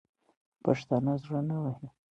پښتانه زړه نه وهي.